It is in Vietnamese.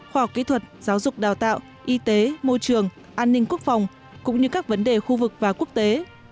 khoa học kỹ thuật giáo dục đào tạo y tế môi trường an ninh quốc phòng cũng như các vấn đề khu vực và quốc tế